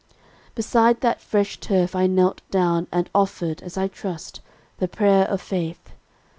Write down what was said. '_ "Beside that fresh turf I knelt down, and offered, as I trust, the prayer of faith.